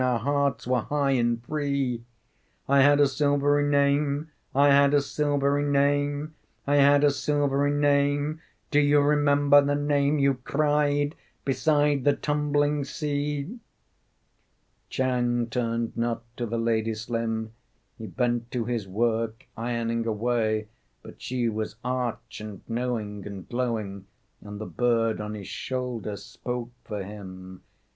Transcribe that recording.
Our hearts were high and free. I had a silvery name, I had a silvery name, I had a silvery name do you remember The name you cried beside the tumbling sea?" Chang turned not to the lady slim He bent to his work, ironing away; But she was arch, and knowing and glowing, And the bird on his shoulder spoke for him.